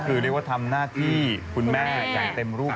คือเรียกว่าทำหน้าที่คุณแม่อย่างเต็มรูป